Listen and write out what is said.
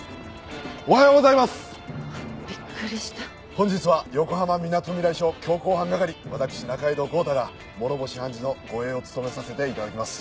本日は横浜みなとみらい署強行犯係私仲井戸豪太が諸星判事の護衛を務めさせて頂きます。